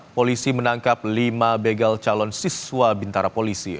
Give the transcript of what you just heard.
polisi menangkap lima begal calon siswa bintara polisi